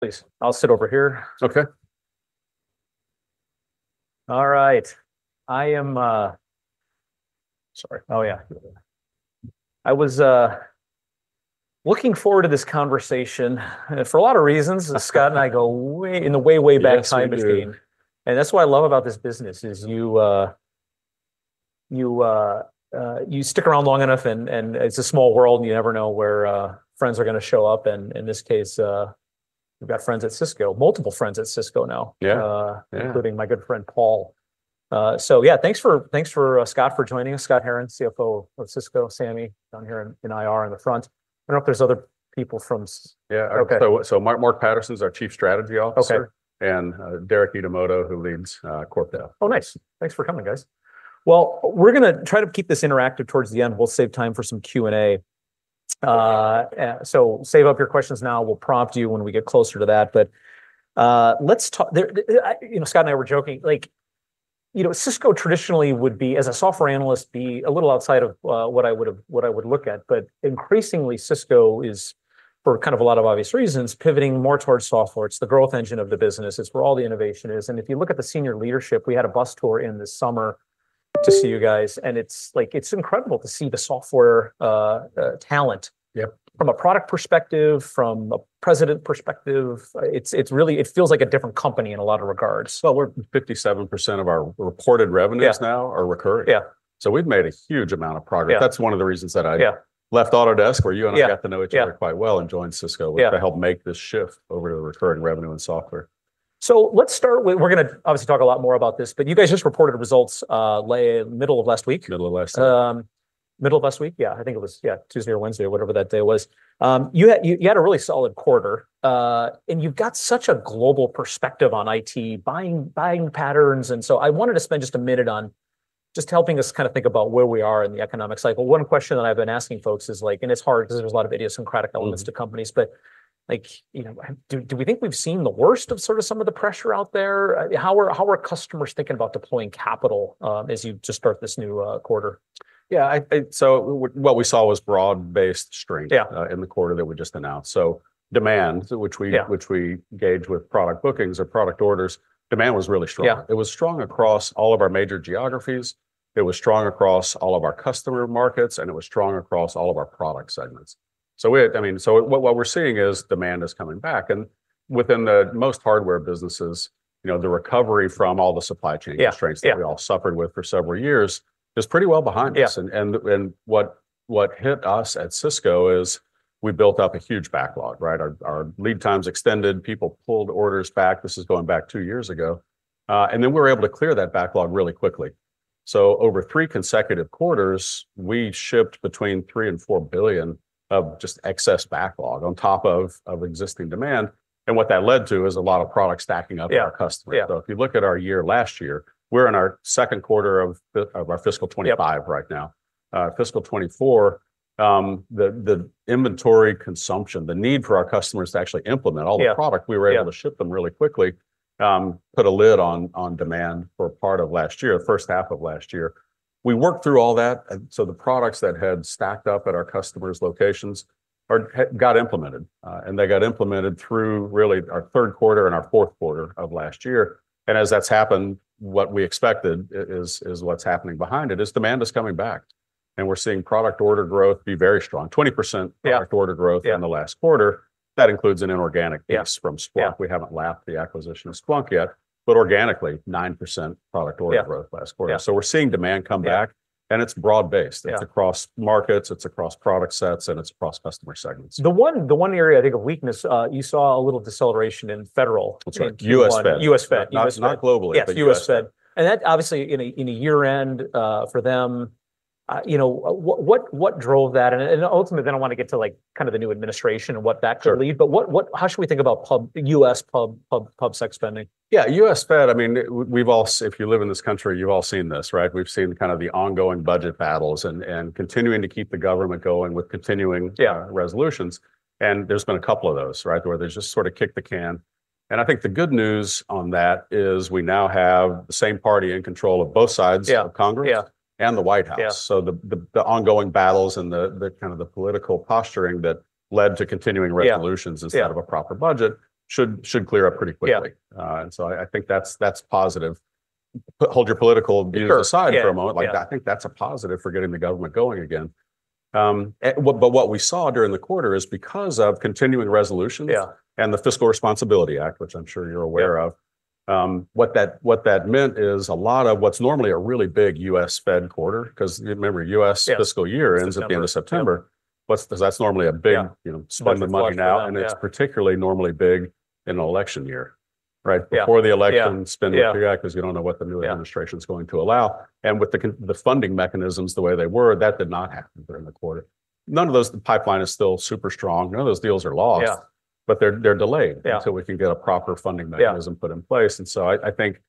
Please. I'll sit over here. Okay. All right. Oh, yeah. I was looking forward to this conversation for a lot of reasons. Scott and I go way in the way, way back time machine. And that's what I love about this business is you stick around long enough, and it's a small world, and you never know where friends are going to show up. And in this case, we've got friends at Cisco, multiple friends at Cisco now, including my good friend Paul. So yeah, thanks for Scott for joining us. Scott Herren, CFO of Cisco, Sami down here in IR on the front. I don't know if there's other people from. Yeah. So Mark Patterson's our Chief Strategy Officer. And Derek Idemoto, who leads CorpDev. Oh, nice. Thanks for coming, guys. Well, we're going to try to keep this interactive towards the end. We'll save time for some Q&A. So save up your questions now. We'll prompt you when we get closer to that. But Scott and I were joking. Cisco traditionally would be, as a software analyst, a little outside of what I would look at. But increasingly, Cisco is, for kind of a lot of obvious reasons, pivoting more towards software. It's the growth engine of the business. It's where all the innovation is. And if you look at the senior leadership, we had a bus tour in this summer to see you guys. And it's incredible to see the software talent from a product perspective, from a president perspective. It feels like a different company in a lot of regards. We're 57% of our reported revenues now are recurring. We've made a huge amount of progress. That's one of the reasons that I left Autodesk, where you and I got to know each other quite well, and joined Cisco to help make this shift over to recurring revenue and software. So let's start with, we're going to obviously talk a lot more about this. But you guys just reported results in the middle of last week. Middle of last week. Middle of last week, yeah. I think it was, yeah, Tuesday or Wednesday, whatever that day was. You had a really solid quarter. And you've got such a global perspective on IT, buying patterns. And so I wanted to spend just a minute on just helping us kind of think about where we are in the economic cycle. One question that I've been asking folks is, and it's hard because there's a lot of idiosyncratic elements to companies, but do we think we've seen the worst of sort of some of the pressure out there? How are customers thinking about deploying capital as you just start this new quarter? Yeah. So what we saw was broad-based strength in the quarter that we just announced. So demand, which we gauge with product bookings or product orders, demand was really strong. It was strong across all of our major geographies. It was strong across all of our customer markets. And it was strong across all of our product segments. So what we're seeing is demand is coming back. And within the most hardware businesses, the recovery from all the supply chain constraints that we all suffered with for several years is pretty well behind us. And what hit us at Cisco is we built up a huge backlog, right? Our lead times extended. People pulled orders back. This is going back two years ago. And then we were able to clear that backlog really quickly. So over three consecutive quarters, we shipped between $3 billion and $4 billion of just excess backlog on top of existing demand. And what that led to is a lot of product stacking up at our customers. So if you look at our year last year, we're in our second quarter of our fiscal 2025 right now. Fiscal 2024, the inventory consumption, the need for our customers to actually implement all the product, we were able to ship them really quickly, put a lid on demand for part of last year, the first half of last year. We worked through all that. So the products that had stacked up at our customers' locations got implemented. And they got implemented through really our third quarter and our fourth quarter of last year. And as that's happened, what we expected is what's happening behind it is demand is coming back. We're seeing product order growth be very strong, 20% product order growth in the last quarter. That includes an inorganic piece from Splunk. We haven't lapped the acquisition of Splunk yet. But organically, 9% product order growth last quarter. So we're seeing demand come back. And it's broad-based. It's across markets. It's across product sets. And it's across customer segments. The one area I think of weakness, you saw a little deceleration in federal. US Fed. US Fed. Not globally. Yeah, U.S. Fed. And that, obviously, in a year-end for them, what drove that? And ultimately, then I want to get to kind of the new administration and what that could lead. But how should we think about U.S. pub sec spending? Yeah. U.S. Fed, I mean, if you live in this country, you've all seen this, right? We've seen kind of the ongoing budget battles and continuing to keep the government going with continuing resolutions. And there's been a couple of those, right, where they just sort of kicked the can. And I think the good news on that is we now have the same party in control of both sides of Congress and the White House. So the ongoing battles and kind of the political posturing that led to continuing resolutions instead of a proper budget should clear up pretty quickly. And so I think that's positive. Hold your political views aside for a moment. I think that's a positive for getting the government going again. But what we saw during the quarter is because of continuing resolutions and the Fiscal Responsibility Act, which I'm sure you're aware of. What that meant is a lot of what's normally a really big U.S. Fed quarter because, remember, U.S. fiscal year ends at the end of September. That's normally a big spend the money now. And it's particularly normally big in an election year, right? Before the election, spend the period because we don't know what the new administration is going to allow. And with the funding mechanisms the way they were, that did not happen during the quarter. None of those pipelines is still super strong. None of those deals are lost. But they're delayed until we can get a proper funding mechanism put in place. And so I think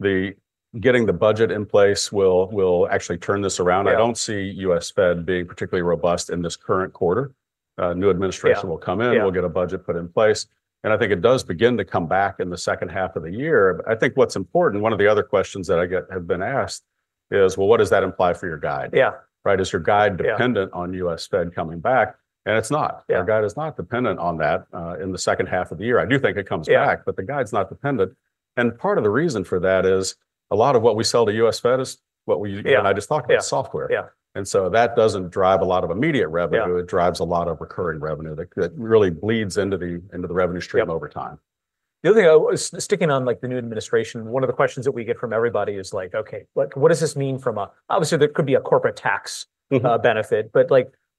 getting the budget in place will actually turn this around. I don't see U.S. Fed being particularly robust in this current quarter. New administration will come in. We'll get a budget put in place, and I think it does begin to come back in the second half of the year. I think what's important, one of the other questions that I have been asked is, well, what does that imply for your guide? Right? Is your guide dependent on U.S. Fed coming back? It's not. Our guide is not dependent on that in the second half of the year. I do think it comes back, but the guide's not dependent, and part of the reason for that is a lot of what we sell to U.S. Fed is what we—I just talked about software. And so that doesn't drive a lot of immediate revenue. It drives a lot of recurring revenue that really bleeds into the revenue stream over time. The other thing, sticking on the new administration, one of the questions that we get from everybody is like, "Okay, what does this mean from a, obviously, there could be a corporate tax benefit. But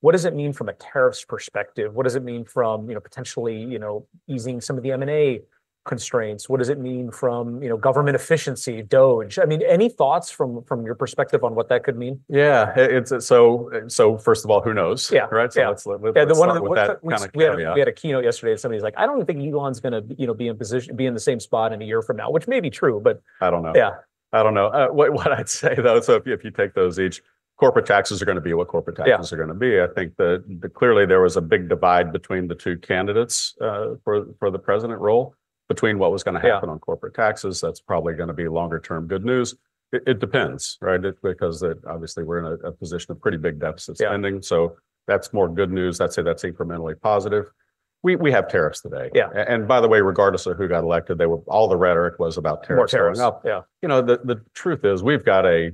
what does it mean from a tariffs perspective? What does it mean from potentially easing some of the M&A constraints? What does it mean from government efficiency, DOGE?" I mean, any thoughts from your perspective on what that could mean? Yeah. So first of all, who knows? Right? So that's what we're talking about. Yeah. We had a keynote yesterday. Somebody's like, "I don't even think Elon's going to be in the same spot in a year from now," which may be true, but. I don't know. I don't know. What I'd say, though, so if you take those each, corporate taxes are going to be what corporate taxes are going to be. I think that clearly there was a big divide between the two candidates for the president role between what was going to happen on corporate taxes. That's probably going to be longer-term good news. It depends, right? Because obviously, we're in a position of pretty big deficit spending. So that's more good news. I'd say that's incrementally positive. We have tariffs today. And by the way, regardless of who got elected, all the rhetoric was about tariffs going up. The truth is we've got a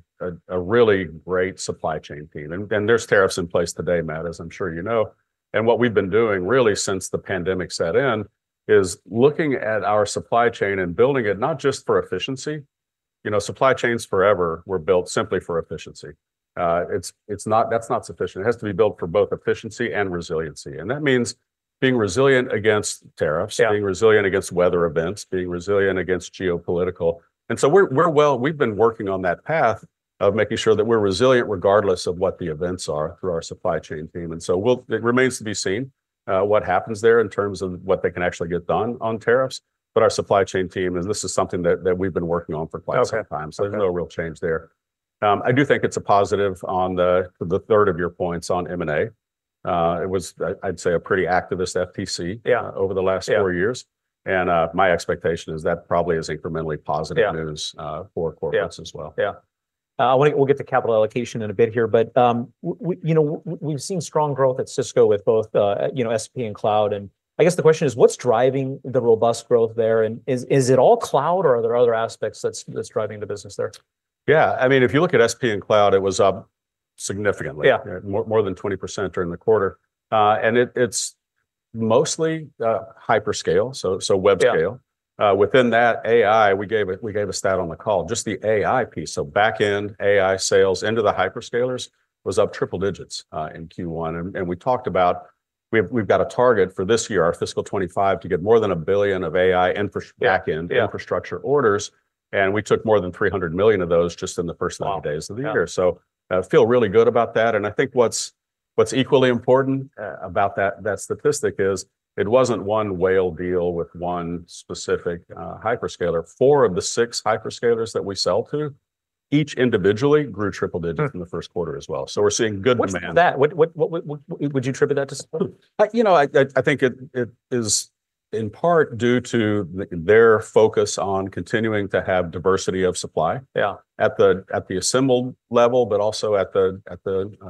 really great supply chain team. And there's tariffs in place today, Matt, as I'm sure you know. And what we've been doing really since the pandemic set in is looking at our supply chain and building it not just for efficiency. Supply chains forever were built simply for efficiency. That's not sufficient. It has to be built for both efficiency and resiliency. And that means being resilient against tariffs, being resilient against weather events, being resilient against geopolitical. And so we've been working on that path of making sure that we're resilient regardless of what the events are through our supply chain team. And so it remains to be seen what happens there in terms of what they can actually get done on tariffs. But our supply chain team, and this is something that we've been working on for quite some time. So there's no real change there. I do think it's a positive on the third of your points on M&A. It was, I'd say, a pretty activist FTC over the last four years. And my expectation is that probably is incrementally positive news for corporates as well. Yeah. We'll get to capital allocation in a bit here. But we've seen strong growth at Cisco with both SP and cloud. And I guess the question is, what's driving the robust growth there? And is it all cloud, or are there other aspects that's driving the business there? Yeah. I mean, if you look at SP and cloud, it was significantly more than 20% during the quarter. And it's mostly hyperscale, so web scale. Within that AI, we gave a stat on the call, just the AI piece. So backend AI sales into the hyperscalers was up triple digits in Q1. And we talked about we've got a target for this year, our fiscal 2025, to get more than a billion of AI backend infrastructure orders. And we took more than $300 million of those just in the first 90 days of the year. So I feel really good about that. And I think what's equally important about that statistic is it wasn't one whale deal with one specific hyperscaler. Four of the six hyperscalers that we sell to, each individually grew triple digits in the first quarter as well. So we're seeing good demand. What's that? Would you attribute that to Cisco? You know, I think it is in part due to their focus on continuing to have diversity of supply at the assembled level, but also at the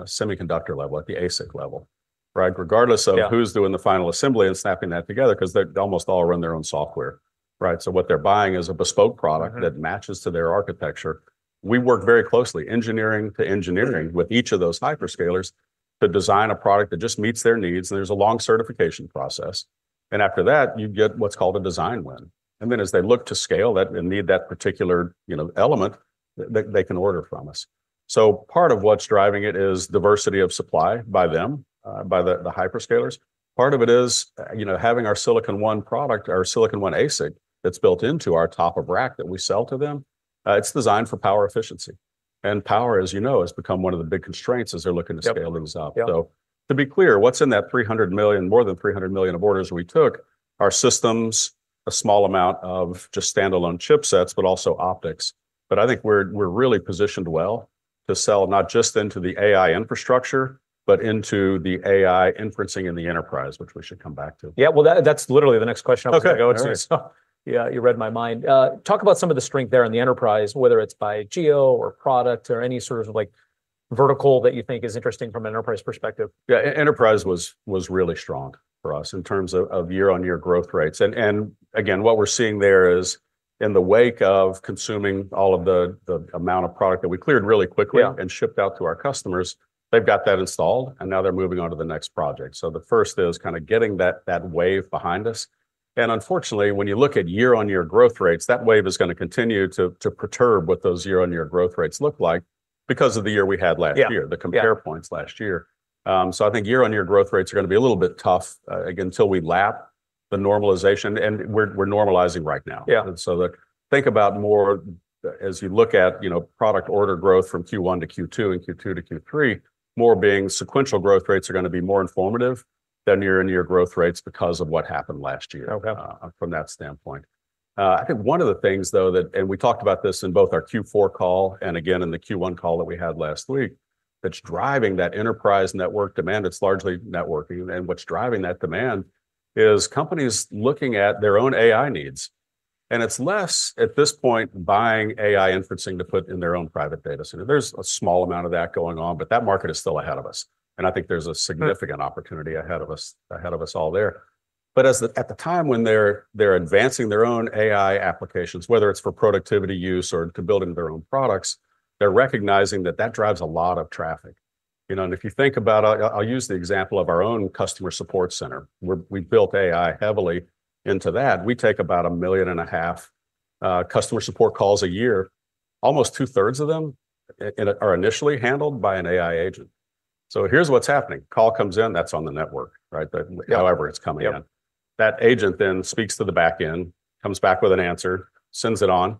semiconductor level, at the ASIC level, right? Regardless of who's doing the final assembly and snapping that together, because they almost all run their own software, right? So what they're buying is a bespoke product that matches to their architecture. We work very closely, engineering to engineering with each of those hyperscalers to design a product that just meets their needs, and there's a long certification process, and after that, you get what's called a design win, and then as they look to scale and need that particular element, they can order from us, so part of what's driving it is diversity of supply by them, by the hyperscalers. Part of it is having our Silicon One product, our Silicon One ASIC that's built into our top of rack that we sell to them. It's designed for power efficiency, and power, as you know, has become one of the big constraints as they're looking to scale things up, so to be clear, what's in that 300 million, more than 300 million of orders we took? Our systems, a small amount of just standalone chipsets, but also optics, but I think we're really positioned well to sell not just into the AI infrastructure, but into the AI inferencing in the enterprise, which we should come back to. Yeah. Well, that's literally the next question I was going to go to. So yeah, you read my mind. Talk about some of the strength there in the enterprise, whether it's by geo or product or any sort of vertical that you think is interesting from an enterprise perspective. Yeah. Enterprise was really strong for us in terms of year-on-year growth rates. And again, what we're seeing there is in the wake of consuming all of the amount of product that we cleared really quickly and shipped out to our customers, they've got that installed. And now they're moving on to the next project. So the first is kind of getting that wave behind us. And unfortunately, when you look at year-on-year growth rates, that wave is going to continue to perturb what those year-on-year growth rates look like because of the year we had last year, the compare points last year. So I think year-on-year growth rates are going to be a little bit tough until we lap the normalization. And we're normalizing right now. So, think about more as you look at product order growth from Q1 to Q2 and Q2 to Q3, more being sequential growth rates are going to be more informative than year-on-year growth rates because of what happened last year from that standpoint. I think one of the things, though, that, and we talked about this in both our Q4 call and again in the Q1 call that we had last week, that's driving that enterprise network demand. It's largely networking. And what's driving that demand is companies looking at their own AI needs. And it's less at this point buying AI inferencing to put in their own private data center. There's a small amount of that going on. But that market is still ahead of us. And I think there's a significant opportunity ahead of us all there. At the time when they're advancing their own AI applications, whether it's for productivity use or to building their own products, they're recognizing that that drives a lot of traffic. If you think about it, I'll use the example of our own customer support center. We've built AI heavily into that. We take about 1.5 million customer support calls a year. Almost two-thirds of them are initially handled by an AI agent. Here's what's happening. Call comes in. That's on the network, right? However it's coming in. That agent then speaks to the backend, comes back with an answer, sends it on.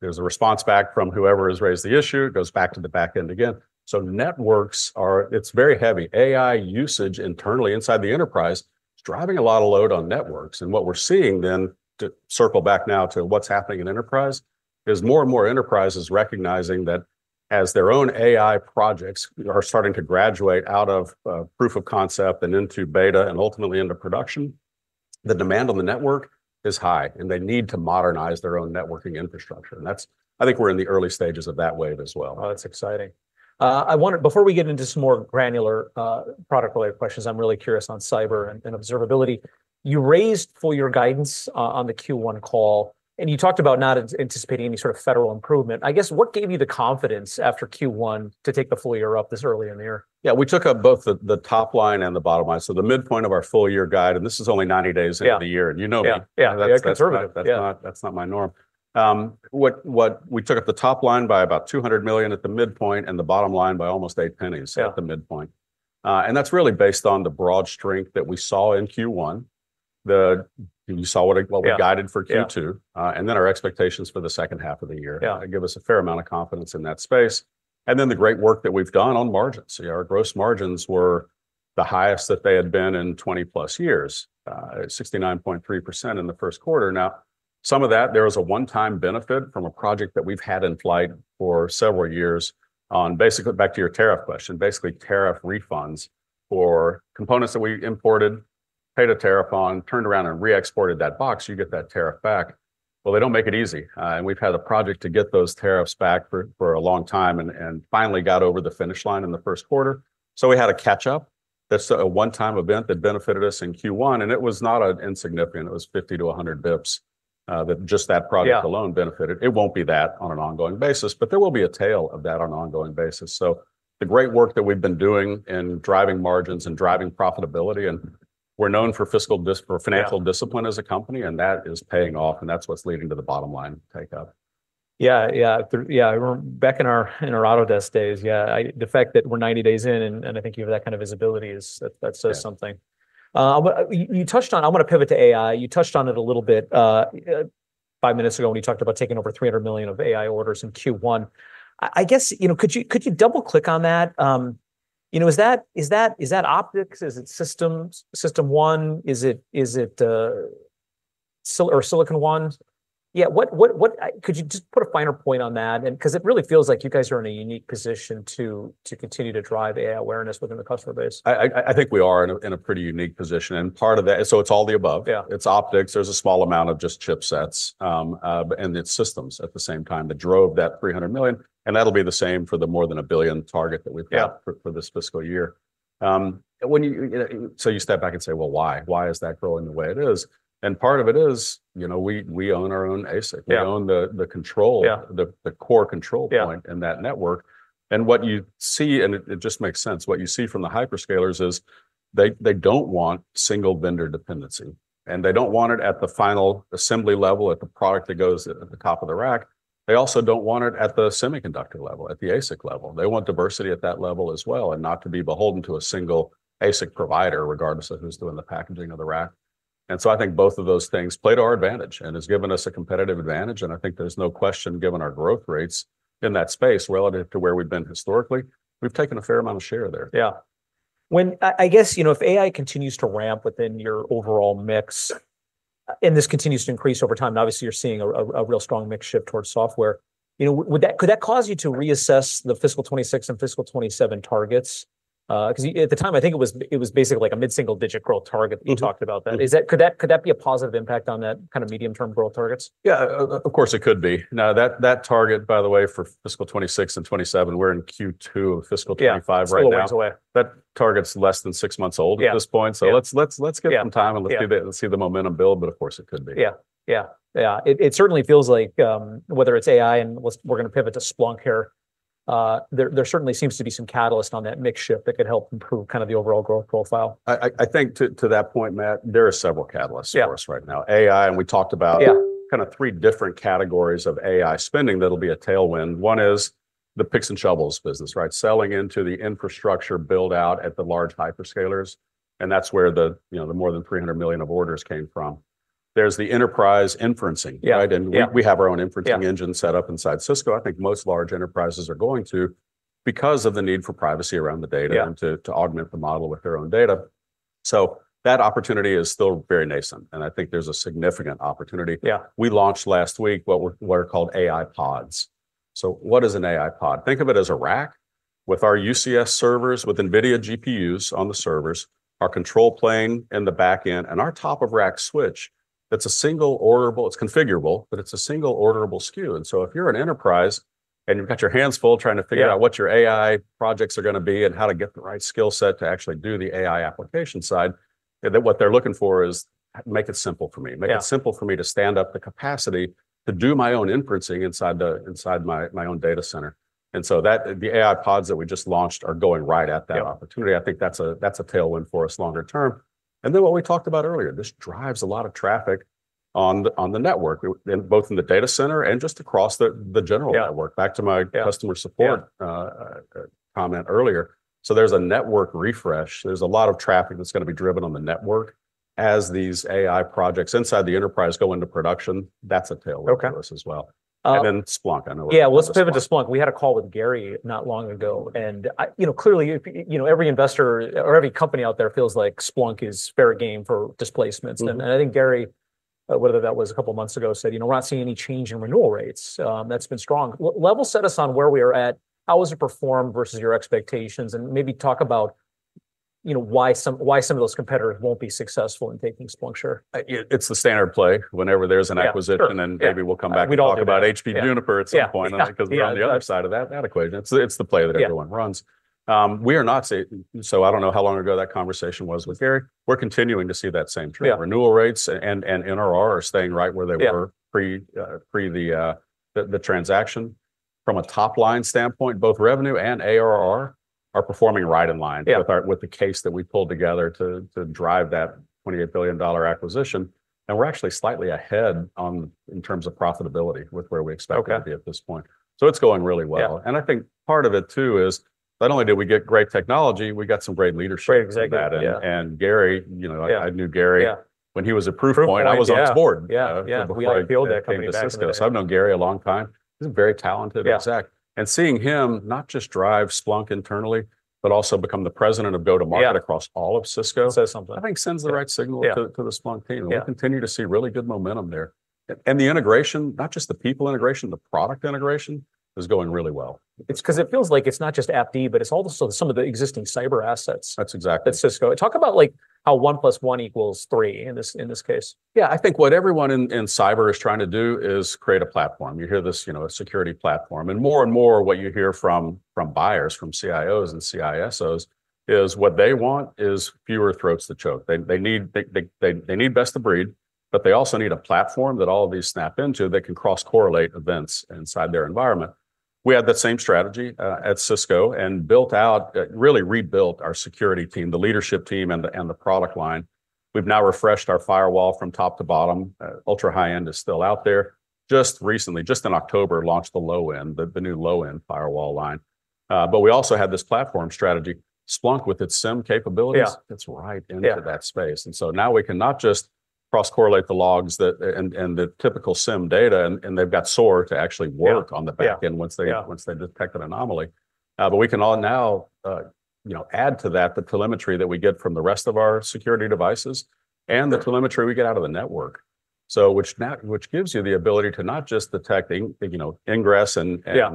There's a response back from whoever has raised the issue. It goes back to the backend again. Networks, it's very heavy. AI usage internally inside the enterprise is driving a lot of load on networks. And what we're seeing then to circle back now to what's happening in enterprise is more and more enterprises recognizing that as their own AI projects are starting to graduate out of proof of concept and into beta and ultimately into production, the demand on the network is high. And they need to modernize their own networking infrastructure. And I think we're in the early stages of that wave as well. Oh, that's exciting. Before we get into some more granular product-related questions, I'm really curious on cyber and observability. You raised full year guidance on the Q1 call, and you talked about not anticipating any sort of federal improvement. I guess what gave you the confidence after Q1 to take the full year up this early in the year? Yeah. We took up both the top line and the bottom line. So the midpoint of our full year guide, and this is only 90 days into the year. And you know me. That's conservative. That's not my norm. We took up the top line by about $200 million at the midpoint and the bottom line by almost $0.08 at the midpoint. And that's really based on the broad strength that we saw in Q1. You saw what we guided for Q2. And then our expectations for the second half of the year give us a fair amount of confidence in that space. And then the great work that we've done on margins. Our gross margins were the highest that they had been in 20+ years, 69.3% in the first quarter. Now, some of that, there is a one-time benefit from a project that we've had in flight for several years on basically back to your tariff question, basically tariff refunds for components that we imported, paid a tariff on, turned around, and re-exported that box. You get that tariff back, well, they don't make it easy, and we've had a project to get those tariffs back for a long time and finally got over the finish line in the first quarter, so we had a catch-up. That's a one-time event that benefited us in Q1, and it was not insignificant. It was 50-100 basis points that just that product alone benefited. It won't be that on an ongoing basis, but there will be a tail of that on an ongoing basis. So the great work that we've been doing in driving margins and driving profitability, and we're known for financial discipline as a company. And that is paying off. And that's what's leading to the bottom line take-up. Yeah. Yeah. Yeah. Back in our Autodesk days, yeah, the fact that we're 90 days in, and I think you have that kind of visibility, that says something. You touched on it. I want to pivot to AI. You touched on it a little bit five minutes ago when you talked about taking over $300 million of AI orders in Q1. I guess could you double-click on that? Is that optics? Is it Systems? Silicon One? Yeah. Could you just put a finer point on that? Because it really feels like you guys are in a unique position to continue to drive AI awareness within the customer base. I think we are in a pretty unique position, and part of that, so it's all the above. It's optics. There's a small amount of just chipsets, and it's systems at the same time that drove that $300 million, and that'll be the same for the more than a billion target that we've got for this fiscal year, so you step back and say, well, why? Why is that growing the way it is?, and part of it is we own our own ASIC. We own the control, the core control point in that network, and what you see, and it just makes sense, what you see from the hyperscalers is they don't want single vendor dependency, and they don't want it at the final assembly level at the product that goes at the top of the rack. They also don't want it at the semiconductor level, at the ASIC level. They want diversity at that level as well and not to be beholden to a single ASIC provider regardless of who's doing the packaging of the rack. And so I think both of those things play to our advantage and have given us a competitive advantage. And I think there's no question given our growth rates in that space relative to where we've been historically, we've taken a fair amount of share there. Yeah. I guess if AI continues to ramp within your overall mix and this continues to increase over time, obviously you're seeing a real strong mix shift towards software. Could that cause you to reassess the fiscal 2026 and fiscal 2027 targets? Because at the time, I think it was basically like a mid-single-digit growth target that you talked about. Could that be a positive impact on that kind of medium-term growth targets? Yeah. Of course, it could be. Now, that target, by the way, for fiscal 2026 and 2027, we're in Q2 of fiscal 2025 right now. That target's less than six months old at this point. So let's give it some time and let's see the momentum build. But of course, it could be. Yeah. Yeah. Yeah. It certainly feels like whether it's AI and we're going to pivot to Splunk here, there certainly seems to be some catalyst on that mix shift that could help improve kind of the overall growth profile. I think to that point, Matt, there are several catalysts for us right now. AI, and we talked about kind of three different categories of AI spending that'll be a tailwind. One is the picks and shovels business, right? Selling into the infrastructure build-out at the large hyperscalers. And that's where the more than $300 million of orders came from. There's the enterprise inferencing, right? And we have our own inferencing engine set up inside Cisco. I think most large enterprises are going to because of the need for privacy around the data and to augment the model with their own data. So that opportunity is still very nascent. And I think there's a significant opportunity. We launched last week what are called AI Pods. So what is an AI Pod? Think of it as a rack with our UCS servers, with NVIDIA GPUs on the servers, our control plane in the backend, and our top-of-rack switch that's a single orderable. It's configurable, but it's a single orderable SKU. And so if you're an enterprise and you've got your hands full trying to figure out what your AI projects are going to be and how to get the right skill set to actually do the AI application side, what they're looking for is, make it simple for me. Make it simple for me to stand up the capacity to do my own inferencing inside my own data center. And so the AI pods that we just launched are going right at that opportunity. I think that's a tailwind for us longer term. And then what we talked about earlier, this drives a lot of traffic on the network, both in the data center and just across the general network. Back to my customer support comment earlier. So there's a network refresh. There's a lot of traffic that's going to be driven on the network as these AI projects inside the enterprise go into production. That's a tailwind for us as well. And then Splunk, I know. Yeah. Let's pivot to Splunk. We had a call with Gary not long ago. And clearly, every investor or every company out there feels like Splunk is fair game for displacements. And I think Gary, whether that was a couple of months ago, said, "We're not seeing any change in renewal rates." That's been strong. Level set us on where we are at. How has it performed versus your expectations? And maybe talk about why some of those competitors won't be successful in taking Splunk share. It's the standard play. Whenever there's an acquisition, then maybe we'll come back and talk about HP Juniper at some point because we're on the other side of that equation. It's the play that everyone runs. We are not seeing, so I don't know how long ago that conversation was with Gary. We're continuing to see that same trend. Renewal rates and NRR are staying right where they were pre the transaction. From a top-line standpoint, both revenue and ARR are performing right in line with the case that we pulled together to drive that $28 billion acquisition, and we're actually slightly ahead in terms of profitability with where we expect to be at this point, so it's going really well, and I think part of it too is not only did we get great technology, we got some great leadership from that. And Gary, I knew Gary when he was at Proofpoint. I was on his board before he came to Cisco. So I've known Gary a long time. He's a very talented exec. And seeing him not just drive Splunk internally, but also become the President of Go-to-Market across all of Cisco, I think sends the right signal to the Splunk team. And we'll continue to see really good momentum there. And the integration, not just the people integration, the product integration is going really well. Because it feels like it's not just AppD, but it's also some of the existing cyber assets. That's exactly. At Cisco. Talk about how 1 + 1 = 3, in this case. Yeah. I think what everyone in cyber is trying to do is create a platform. You hear this, a security platform. And more and more what you hear from buyers, from CIOs and CISOs is what they want is fewer throats to choke. They need best of breed, but they also need a platform that all of these snap into that can cross-correlate events inside their environment. We had that same strategy at Cisco and built out, really rebuilt our security team, the leadership team, and the product line. We've now refreshed our firewall from top to bottom. Ultra high-end is still out there. Just recently, just in October, launched the low-end, the new low-end firewall line. But we also had this platform strategy. Splunk, with its SIM capabilities, gets right into that space. And so now we can not just cross-correlate the logs and the typical SIEM data, and they've got SOAR to actually work on the backend once they detect an anomaly. But we can now add to that the telemetry that we get from the rest of our security devices and the telemetry we get out of the network, which gives you the ability to not just detect ingress and egress,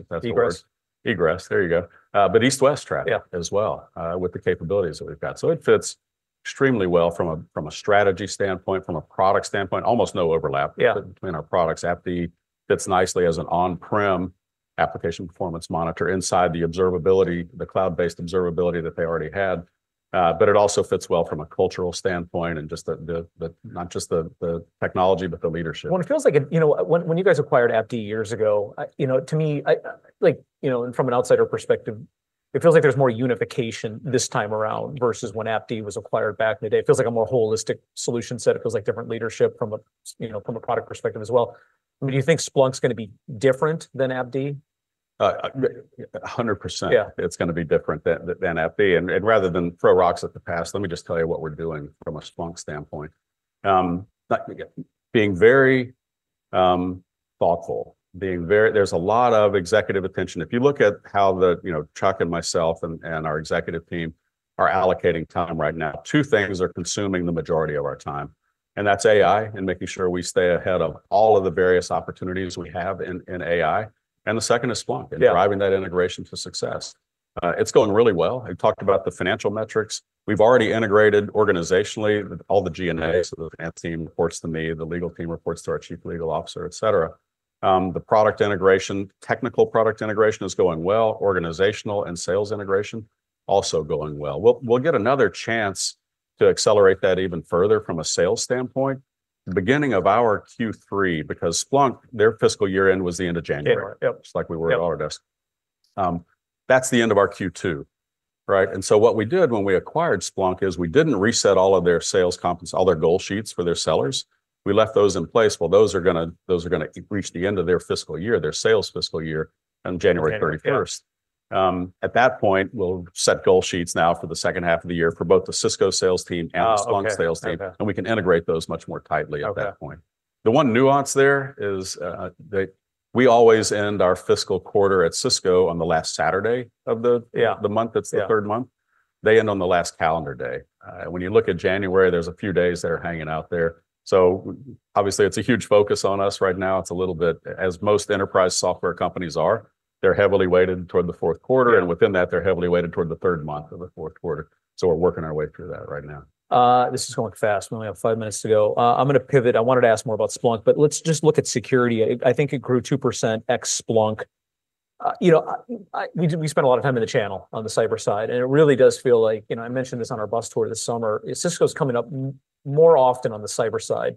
if that's the word. Egress. Egress. There you go. But east-west traffic as well with the capabilities that we've got. So it fits extremely well from a strategy standpoint, from a product standpoint. Almost no overlap between our products. AppD fits nicely as an on-prem application performance monitor inside the observability, the cloud-based observability that they already had. But it also fits well from a cultural standpoint and just not just the technology, but the leadership. It feels like when you guys acquired AppD years ago, to me, from an outsider perspective, it feels like there's more unification this time around versus when AppD was acquired back in the day. It feels like a more holistic solution set. It feels like different leadership from a product perspective as well. I mean, do you think Splunk's going to be different than AppD? 100%. It's going to be different than AppD, and rather than throw rocks at the past, let me just tell you what we're doing from a Splunk standpoint, being very thoughtful. There's a lot of executive attention. If you look at how Chuck and myself and our executive team are allocating time right now, two things are consuming the majority of our time, and that's AI and making sure we stay ahead of all of the various opportunities we have in AI, and the second is Splunk and driving that integration to success. It's going really well. I talked about the financial metrics. We've already integrated organizationally all the G&As. The finance team reports to me, the legal team reports to our Chief Legal Officer, et cetera. The product integration, technical product integration is going well. Organizational and sales integration also going well. We'll get another chance to accelerate that even further from a sales standpoint. The beginning of our Q3, because Splunk, their fiscal year-end was the end of January, just like we were at Autodesk. That's the end of our Q2, right? And so what we did when we acquired Splunk is we didn't reset all of their sales comps, all their goal sheets for their sellers. We left those in place. Well, those are going to reach the end of their fiscal year, their sales fiscal year on January 31st. At that point, we'll set goal sheets now for the second half of the year for both the Cisco sales team and the Splunk sales team. And we can integrate those much more tightly at that point. The one nuance there is that we always end our fiscal quarter at Cisco on the last Saturday of the month. It's the third month. They end on the last calendar day. And when you look at January, there's a few days that are hanging out there. So obviously, it's a huge focus on us right now. It's a little bit, as most enterprise software companies are, they're heavily weighted toward the fourth quarter. And within that, they're heavily weighted toward the third month of the fourth quarter. So we're working our way through that right now. This is going fast. We only have five minutes to go. I'm going to pivot. I wanted to ask more about Splunk, but let's just look at security. I think it grew 2% ex-Splunk. We spent a lot of time in the channel on the cyber side. And it really does feel like I mentioned this on our bus tour this summer. Cisco's coming up more often on the cyber side.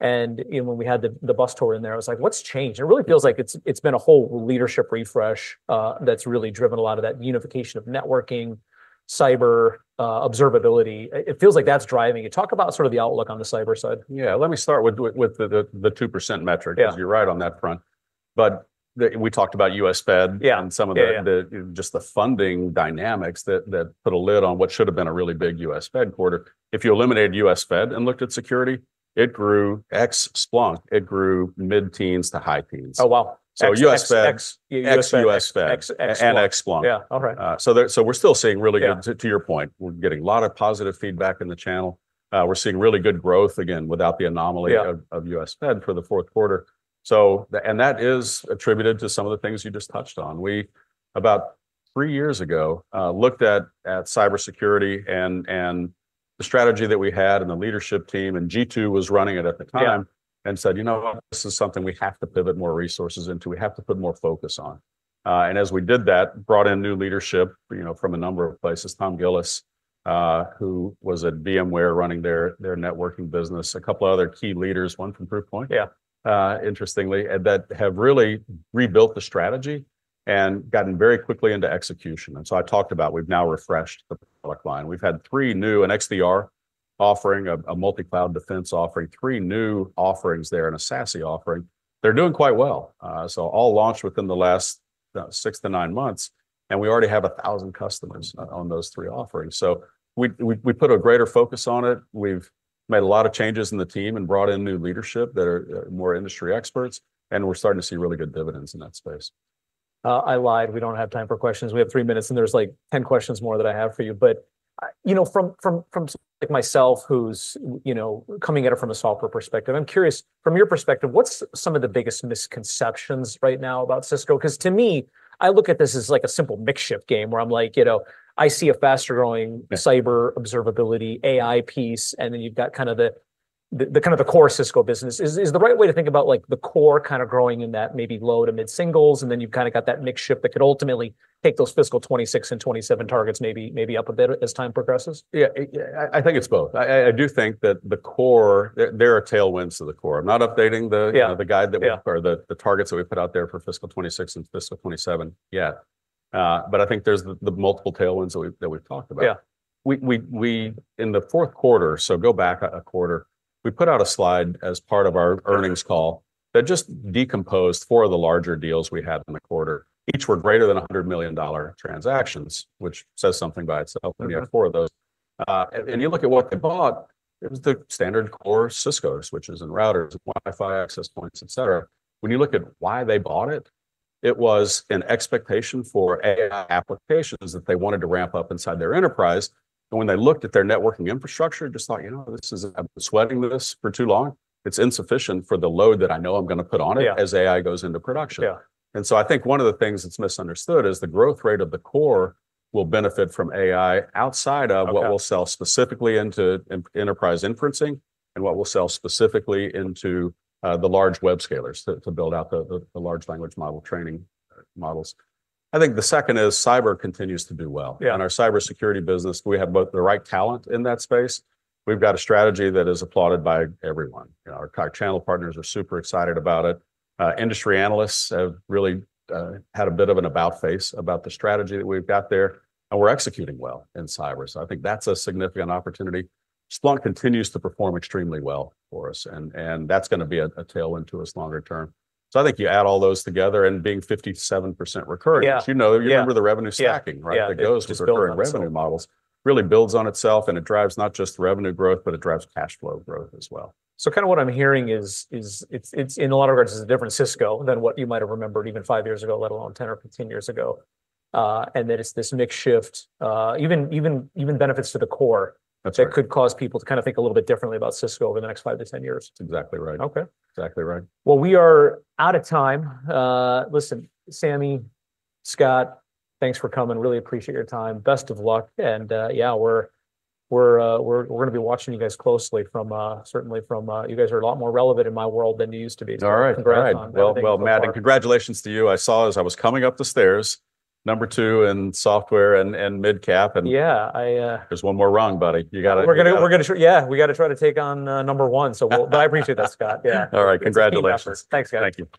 And when we had the bus tour in there, I was like, "What's changed?" It really feels like it's been a whole leadership refresh that's really driven a lot of that unification of networking, cyber observability. It feels like that's driving. Talk about sort of the outlook on the cyber side. Yeah. Let me start with the 2% metric because you're right on that front. But we talked about U.S. Fed and some of just the funding dynamics that put a lid on what should have been a really big U.S. Fed quarter. If you eliminated U.S. Fed and looked at security, it grew ex-Splunk. It grew mid-teens to high teens. Oh, wow. So U.S. Fed and ex-Splunk. So we're still seeing really good, to your point. We're getting a lot of positive feedback in the channel. We're seeing really good growth, again, without the anomaly of U.S. Fed for the fourth quarter. And that is attributed to some of the things you just touched on. We, about three years ago, looked at cybersecurity and the strategy that we had and the leadership team. And Jeetu was running it at the time and said, "You know what? This is something we have to pivot more resources into. We have to put more focus on." And as we did that, brought in new leadership from a number of places. Tom Gillis, who was at VMware running their networking business, a couple of other key leaders, one from Proofpoint, interestingly, that have really rebuilt the strategy and gotten very quickly into execution. And so I talked about we've now refreshed the product line. We've had three new, an XDR offering, a multi-cloud defense offering, three new offerings there, and a SASE offering. They're doing quite well. So all launched within the last 6-9 months. And we already have 1,000 customers on those three offerings. So we put a greater focus on it. We've made a lot of changes in the team and brought in new leadership that are more industry experts. And we're starting to see really good dividends in that space. I lied. We don't have time for questions. We have three minutes, and there's like 10 questions more that I have for you, but from someone like myself who's coming at it from a software perspective, I'm curious. From your perspective, what's some of the biggest misconceptions right now about Cisco? Because to me, I look at this as like a simple mix shift game where I'm like, I see a faster growing cyber observability, AI piece, and then you've got kind of the core Cisco business. Is the right way to think about the core kind of growing in that maybe low to mid singles? And then you've kind of got that mix shift that could ultimately take those fiscal 2026 and 2027 targets maybe up a bit as time progresses? Yeah. I think it's both. I do think that the core, there are tailwinds to the core. I'm not updating the guide or the targets that we put out there for fiscal 26 and fiscal 27 yet. But I think there's the multiple tailwinds that we've talked about. In the fourth quarter, so go back a quarter, we put out a slide as part of our earnings call that just decomposed four of the larger deals we had in the quarter. Each were greater than $100 million transactions, which says something by itself. And we have four of those. And you look at what they bought, it was the standard core Cisco switches and routers, Wi-Fi access points, et cetera. When you look at why they bought it, it was an expectation for AI applications that they wanted to ramp up inside their enterprise. When they looked at their networking infrastructure, just thought, "You know, this is. I've been sweating this for too long. It's insufficient for the load that I know I'm going to put on it as AI goes into production." So I think one of the things that's misunderstood is the growth rate of the core will benefit from AI outside of what we'll sell specifically into enterprise inferencing and what we'll sell specifically into the large web scalers to build out the large language model training models. I think the second is cyber continues to do well. Our cybersecurity business, we have both the right talent in that space. We've got a strategy that is applauded by everyone. Our channel partners are super excited about it. Industry analysts have really had a bit of an about-face about the strategy that we've got there. We're executing well in cyber. I think that's a significant opportunity. Splunk continues to perform extremely well for us. That's going to be a tailwind to us longer term. I think you add all those together and being 57% recurring, you remember the revenue stacking, right? That goes with recurring revenue models. Really builds on itself. It drives not just revenue growth, but it drives cash flow growth as well. So kind of what I'm hearing is, in a lot of regards, it's a different Cisco than what you might have remembered even five years ago, let alone 10 or 15 years ago. And that it's this mix shift, even benefits to the core that could cause people to kind of think a little bit differently about Cisco over the next 5-10 years. That's exactly right. Okay. Exactly right. We are out of time. Listen, Sami, Scott, thanks for coming. Really appreciate your time. Best of luck. Yeah, we're going to be watching you guys closely, certainly from you guys are a lot more relevant in my world than you used to be. All right, well, Matt, and congratulations to you. I saw as I was coming up the stairs, number two in software and mid-cap. And there's one more wrong, buddy. You got to. We're going to try to take on number one. But I appreciate that, Scott. Yeah. All right. Congratulations. Thanks, guys.